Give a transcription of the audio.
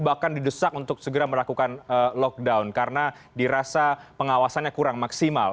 bahkan didesak untuk segera melakukan lockdown karena dirasa pengawasannya kurang maksimal